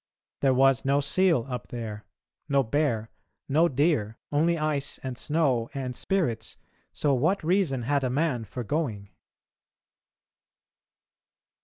There was no seal up there; no bear; no deer; only ice and snow and spirits, so what reason had a man for going?